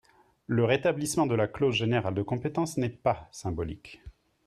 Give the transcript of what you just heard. Le rétablissement de la clause générale de compétence n’est pas symbolique.